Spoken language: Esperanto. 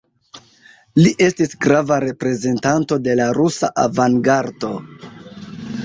Li estis grava reprezentanto de la rusa avangardo.